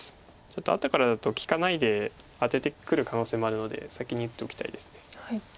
ちょっと後からだと利かないでアテてくる可能性もあるので先に打っておきたいです。